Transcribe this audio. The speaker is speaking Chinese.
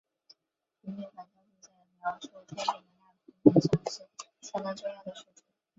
球面反照率在描述天体能量平衡上是相当重要的数值。